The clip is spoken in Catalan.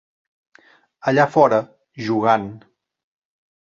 Allà fora, jugant.